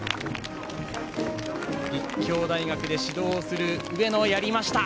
立教大学で指導する上野、やりました！